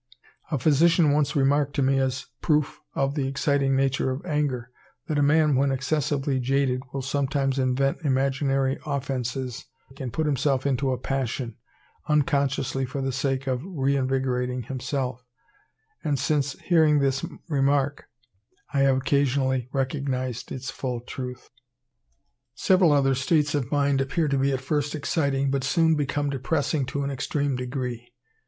A physician once remarked to me as a proof of the exciting nature of anger, that a man when excessively jaded will sometimes invent imaginary offences and put himself into a passion, unconsciously for the sake of reinvigorating himself; and since hearing this remark, I have occasionally recognized its full truth. Several other states of mind appear to be at first exciting, but soon become depressing to an extreme degree.